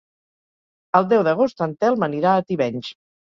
El deu d'agost en Telm anirà a Tivenys.